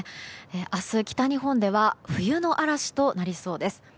明日、北日本では冬の嵐となりそうです。